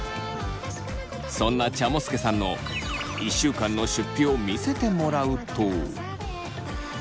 そんなちゃもすけさんの１週間の出費を見せてもらうと。